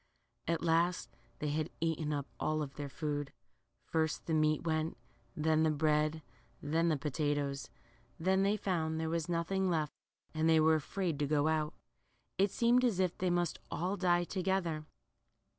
At last they had eaten up all their food. First the meat went, then the bread, then the potatoes. Then they found there was nothing left, and they were afraid to go out. It seemed as if they must all die together.